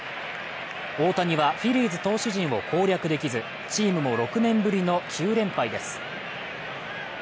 大谷はフィリーズ投手陣を攻略できず、チームも６年ぶりの９連敗です。